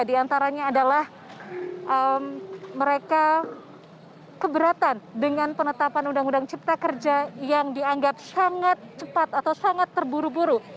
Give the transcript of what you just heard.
di antaranya adalah mereka keberatan dengan penetapan undang undang cipta kerja yang dianggap sangat cepat atau sangat terburu buru